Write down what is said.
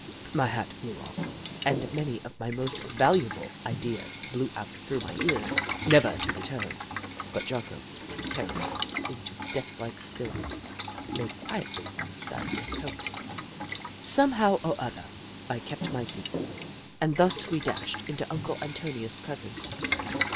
My hat flew off and many of my most valuable ideas blew out through my ears, never to return, but Jocko, terrorised into death like stillness, lay quietly inside my coat. Somehow or other, I kept my seat, and thus we dashed into Uncle Antonio's presence.